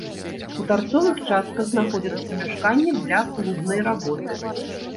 У тарцовых частках знаходзяцца памяшканні для клубнай работы.